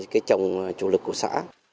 cây chồng chủ lực của xã